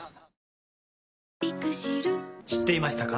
知っていましたか？